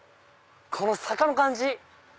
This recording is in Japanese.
この坂の感じ！